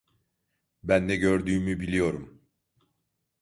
Ben ne gördüğümü biliyorum.